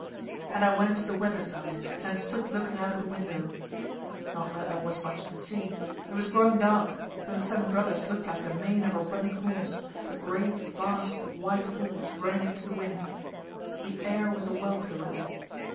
And I went to the weather side and stood looking out of the window. Not that there was much to see. It was growing dark, and the Seven Brothers looked like the mane of a running horse, a great, vast, white horse running into the wind. The air was a welter with it.